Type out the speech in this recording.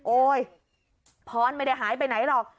โอ๊ยพรไม่ได้หายไปไหนหรอก